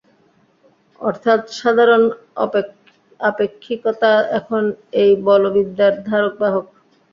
অর্থাৎ সাধারণ আপেক্ষিকতা এখন এই বলবিদ্যার ধারক-বাহক।